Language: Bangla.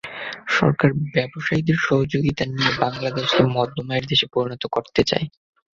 সরকার ব্যবসায়ীদের সহযোগিতা নিয়ে বাংলাদেশকে মধ্যম আয়ের দেশে পরিণত করতে চায়।